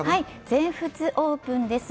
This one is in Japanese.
全仏オープンです。